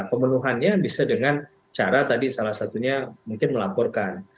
pemenuhannya bisa dengan cara tadi salah satunya mungkin melaporkan